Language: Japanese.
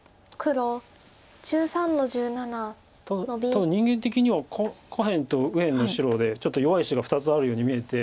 ただ人間的には下辺と右辺の白でちょっと弱い石が２つあるように見えて。